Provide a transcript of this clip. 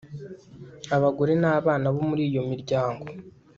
abagore na bana bo muri iyo miryango